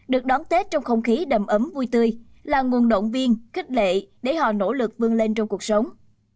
được đón tết trong không khí đầm ấm vui tươi là nguồn động viên khích lệ để họ nỗ lực vươn lên trong cuộc sống